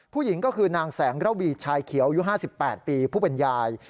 ผู้หญิงก็คือนางแสงระวีชายเขียวอายุ๕๘ปีผู้เป็นยาย